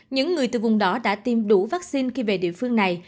những người từ vùng đỏ đã tiêm đủ vaccine khi về địa phương này